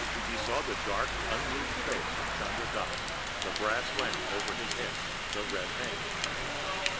"] He saw the dark, unmoved face of Chandra Dass, the brass lamp over his head, the red hangings.